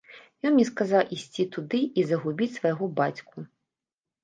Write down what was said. Ён мне сказаў ісці туды і загубіць свайго бацьку.